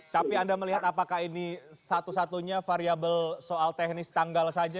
tapi anda melihat apakah ini satu satunya variable soal teknis tanggal saja